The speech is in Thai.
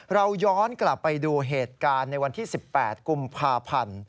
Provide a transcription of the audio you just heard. เราย้อนกลับไปดูเหตุการณ์ในวันที่๑๘กุมภาพันธ์